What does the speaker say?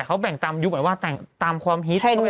เขาแบ่งตามยุคหมายว่าตามความฮิต